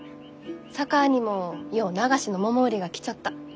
佐川にもよう流しのモモ売りが来ちょった。